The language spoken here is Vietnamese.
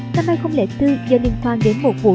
năm hai nghìn bốn do liên quan đến một vụ